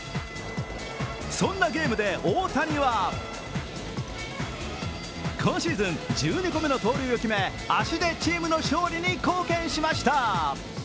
そんなゲームで大谷は今シーズン１２個目の盗塁を決め足でチームの勝利に貢献しました。